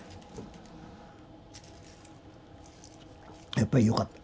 やっぱりよかった。